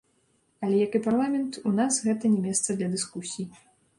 Але як і парламент, у нас гэта не месца для дыскусій.